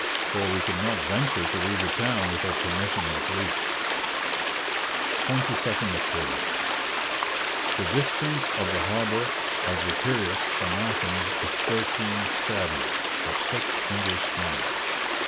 for we could not venture to leave the town without permission of the police. 22nd October. The distance of the harbour of the Piraeus from Athens is thirteen stadia, or six English miles.